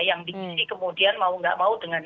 yang diisi kemudian mau nggak mau dengan